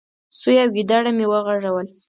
. سوی او ګيدړه مې وغږول،